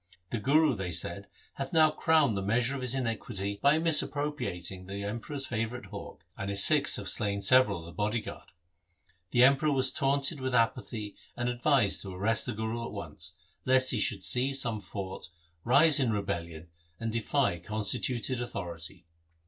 ' The Guru,' they said, ' hath now crowned the measure of his iniquity by misappropriating the Emperor's favourite hawk, and his Sikhs have slain several of the bodyguard.' The Emperor was taunted with apathy and advised to arrest the Guru at once, lest he should seize some fort, rise in rebellion and defy constituted authority.